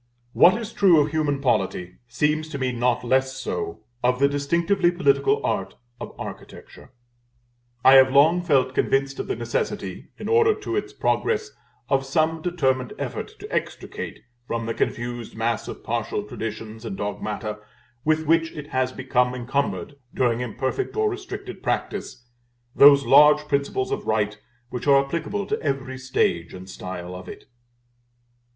What is true of human polity seems to me not less so of the distinctively political art of Architecture. I have long felt convinced of the necessity, in order to its progress, of some determined effort to extricate from the confused mass of partial traditions and dogmata with which it has become encumbered during imperfect or restricted practice, those large principles of right which are applicable to every stage and style of it.